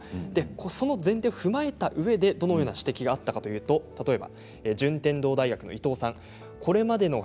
その前提を踏まえたうえでどのような指摘があったかというと例えば。